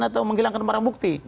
atau menghilangkan barang bukti